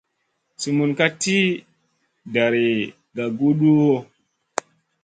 Sumun ka tì dari gaguduhu.